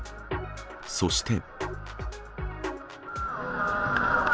そして。